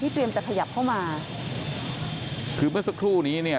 เตรียมจะขยับเข้ามาคือเมื่อสักครู่นี้เนี่ย